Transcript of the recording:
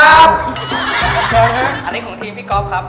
อันนี้ของทีมพี่ก๊อฟครับ